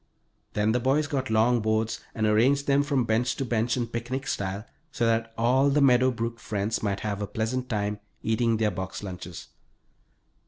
Then the boys got long boards and arranged them from bench to bench in picnic style, so that all the Meadow Brook friends might have a pleasant time eating their box lunches.